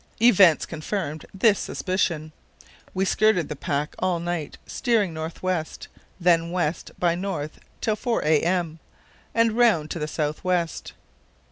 Events confirmed this suspicion. We skirted the pack all night, steering north west; then went west by north till 4 a.m. and round to south west.